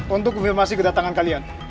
untuk konfirmasi kedatangan kalian